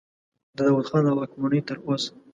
د داود خان له واکمنۍ تر اوسه.